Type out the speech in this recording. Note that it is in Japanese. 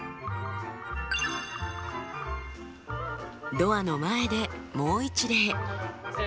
ドアの前でもう一礼。